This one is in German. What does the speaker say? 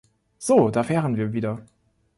So, da wären wir wieder!